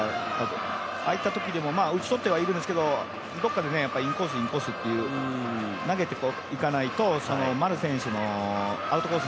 ああいったときでも打ち取ってはいるんですけどどこかでインコース、インコースっていう投げていかないと、丸選手のアウトコース